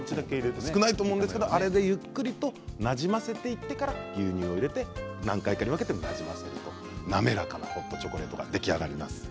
少ないと思うんですけれどもあれでゆっくりとなじませていけたら牛乳を入れて、何回か入れてなじませると滑らかなチョコレートが出来上がります。